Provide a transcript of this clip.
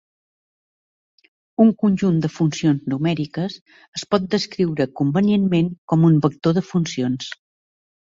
Un conjunt de funcions numèriques es pot descriure convenientment com un vector de funcions.